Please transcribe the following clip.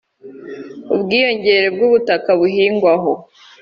ubwiyongere bw'ubutaka buhingwaho